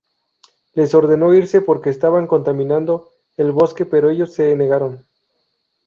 Les ordenó irse porque estaban "contaminando" el bosque, pero ellos se negaron.